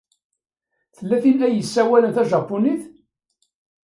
Tella tin ay yessawalen tajapunit?